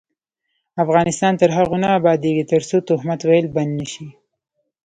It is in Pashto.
افغانستان تر هغو نه ابادیږي، ترڅو تهمت ویل بند نشي.